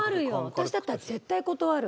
私だったら絶対断る。